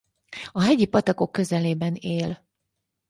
A hegyi patakok közelében él.